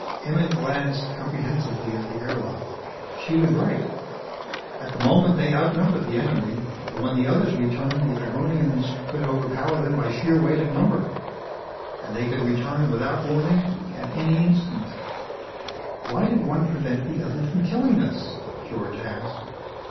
Emmett glanced apprehensively at the air lock. She was right. At the moment they outnumbered the enemy, but when the others returned the Agronians could overpower them by sheer weight of number. And they could return without warning, at any instant. "Why did one prevent the other from killing us?" George asked.